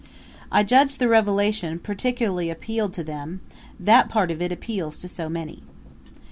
I judge the revelation particularly appealed to them that part of it appeals to so many.